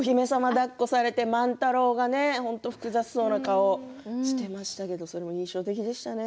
だっこされて万太郎が複雑そうな顔していましたけれどそれも印象的でしたね。